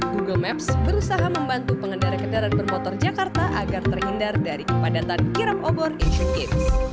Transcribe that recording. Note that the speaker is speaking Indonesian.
google maps berusaha membantu pengendara kendaraan bermotor jakarta agar terhindar dari kepadatan kirap obor asian games